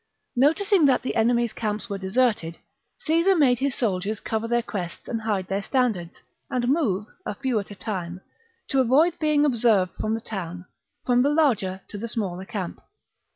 Noticing that the enemy's camps were deserted, Caesar made his soldiers cover their crests and hide their standards, and move, a few at a time, to avoid being observed from the town, from the larger to the smaller camp.